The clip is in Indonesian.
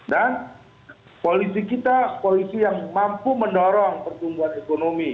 dan polisi kita polisi yang mampu mendorong pertumbuhan ekonomi